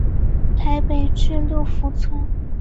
台北至六福村。